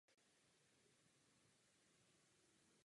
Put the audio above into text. Mimo Jihoafrickou republiku působil na klubové úrovni na Slovensku.